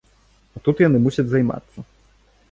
А тут яны мусяць займацца.